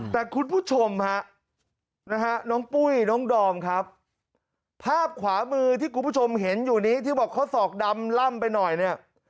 แต่คุณผู้ชมฮะนะฮะน้องปุ้ยน้องดอมครับภาพขวามือที่คุณผู้ชมเห็นอยู่นี้ที่บอกข้อศอกดำล่ำไปหน่อยเนี่ย